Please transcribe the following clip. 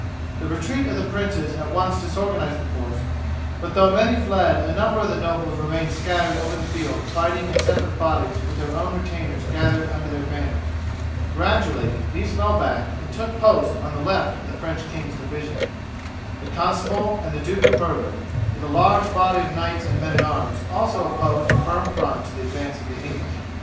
The retreat of the princes at once disorganized the force, but though many fled a number of the nobles remained scattered over the field fighting in separate bodies with their own retainers gathered under their banners. Gradually these fell back and took post on the left of the French king's division. The Constable and the Duke of Bourbon with a large body of knights and men at arms also opposed a firm front to the advance of the English.